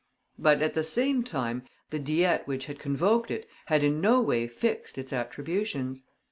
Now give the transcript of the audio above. But, at the same time, the Diet which had convoked it had in no way fixed its attributions.